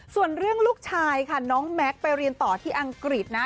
ส่วนเรื่องลูกชายค่ะน้องแม็กซ์ไปเรียนต่อที่อังกฤษนะ